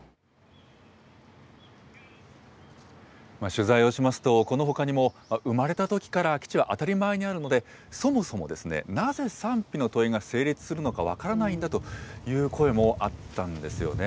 取材をしますと、このほかにも、生まれたときから基地は当たり前にあるので、そもそもですね、なぜ賛否の問いが成立するのか分からないんだという声もあったんですよね。